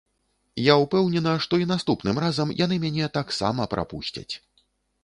Я ўпэўнена, што і наступным разам яны мяне таксама прапусцяць.